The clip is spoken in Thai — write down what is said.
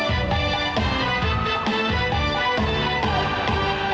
อย่าฆ่าแม่พริก